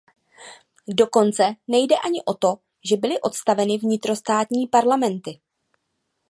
Dokonce nejde ani o to, že byly odstaveny vnitrostátní parlamenty.